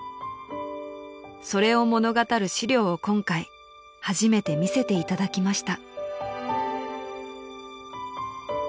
［それを物語る資料を今回初めて見せていただきました］